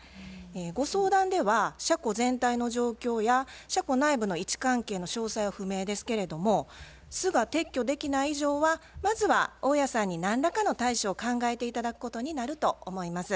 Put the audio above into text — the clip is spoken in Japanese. ご相談では車庫全体の状況や車庫内部の位置関係の詳細は不明ですけれども巣が撤去できない以上はまずは大家さんに何らかの対処を考えて頂くことになると思います。